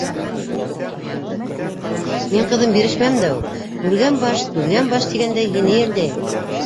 Мин, ҡыҙым, бирешмәм дә ул. Күргән баш - түҙгән баш, тигәндәй, һине йәлдәйем...